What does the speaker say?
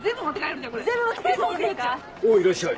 おおいらっしゃい。